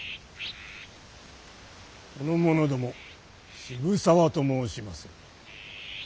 その者ども渋沢と申します。